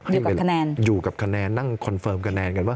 อยู่กับคะแนนอยู่กับคะแนนนั่งคอนเฟิร์มคะแนนกันว่า